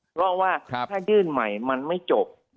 เพราะว่าถ้ายื่นใหม่มันไม่จบ